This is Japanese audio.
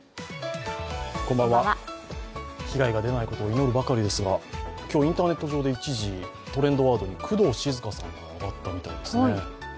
被害が出ないことを祈るばかりですが、今日、インターネット上で一時トレンドワードに工藤静香さんが上がったみたいですね。